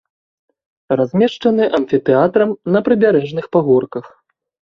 Размешчаны амфітэатрам на прыбярэжных пагорках.